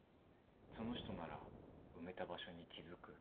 その人なら埋めた場所に気付く。